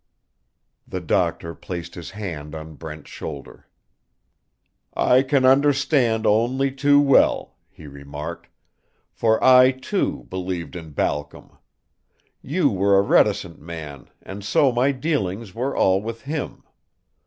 The doctor placed his hand on Brent's shoulder. "I can understand only too well," he remarked, "for I, too, believed in Balcom. You were a reticent man and so my dealings were all with him.